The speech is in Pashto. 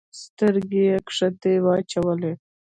سترګي یې کښته واچولې !